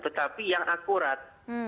tetapi yang akurat